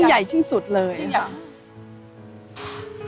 เพราะเราทุกคนคือลูกของพ่อ